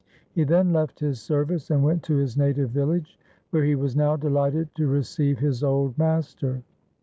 He then left his service and went to his native village, where he was now delighted to receive his old master.